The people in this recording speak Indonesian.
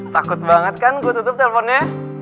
takut banget kan gue tutup teleponnya